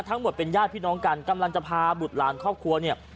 ทั้งหมดเป็นญาติพี่น้องกันกำลังจะพาบุตรหลานครอบครัวเนี่ย